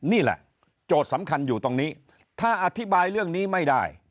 นี่แหละโจทย์สำคัญอยู่ตรงนี้